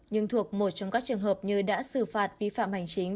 nhưng thuộc một trong các trường hợp như đã xử phạt vi phạm hành chính